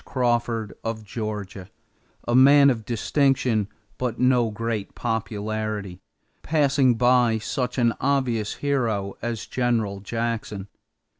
Crawford, of Georgia, a man of distinction but no great popularity, passing by such an obvious hero as General Jackson.